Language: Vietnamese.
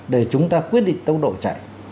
để chúng ta quyết định tốc độ chạy